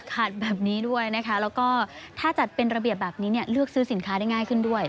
ขาดแบบนี้ด้วยนะคะแล้วก็ถ้าจัดเป็นระเบียบแบบนี้เนี่ยเลือกซื้อสินค้าได้ง่ายขึ้นด้วย